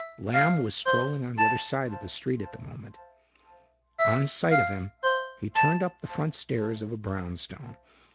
Lamb was strolling on the other side of the street at the moment. On sight of him, he turned up the front stairs of a brownstone.